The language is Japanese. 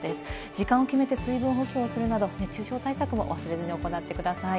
時間を決めて水分補給をするなど熱中症対策も忘れずに行ってください。